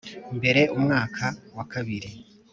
Mbere umwaka wa kabiri